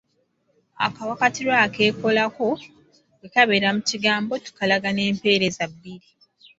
Akawakatirwa akeekolako bwe kabeera mu kigambo, tukalaga n'empeerezi bbiri.